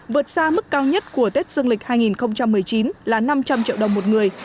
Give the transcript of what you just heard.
vượt xa mức cao nhất của tết dương lịch hai nghìn một mươi chín là năm trăm linh triệu đồng một người